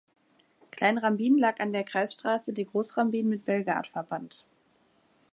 Klein Rambin lag an der Kreisstraße, die Groß Rambin mit Belgard verband.